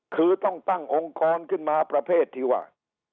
คือต้องตั้งองค์กรขึ้นมาประเภทที่ว่า